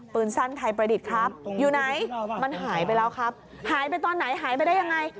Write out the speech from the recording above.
สั้นไทยประดิษฐ์ครับอยู่ไหนมันหายไปแล้วครับหายไปตอนไหนหายไปได้ยังไง